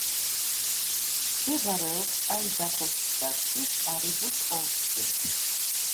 მდებარეობს აიდაჰოს შტატში, კარიბუს ოლქში.